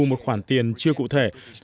một khoản tiền chưa cụ thể